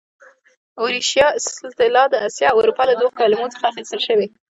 اوریشیا اصطلاح د اسیا او اروپا له دوو کلمو څخه اخیستل شوې.